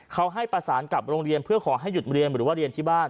เขาให้ประสานกับโรงเรียนเพื่อขอให้หยุดเรียนหรือว่าเรียนที่บ้าน